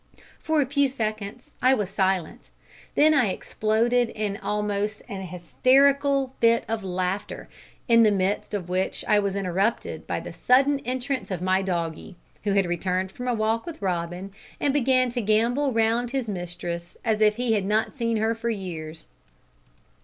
For a few seconds I was silent, then I exploded in almost an hysterical fit of laughter, in the midst of which I was interrupted by the sudden entrance of my doggie, who had returned from a walk with Robin, and began to gambol round his mistress as if he had not seen her for years.